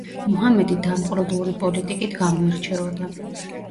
მუჰამედი დამპყრობლური პოლიტიკით გამოირჩეოდა.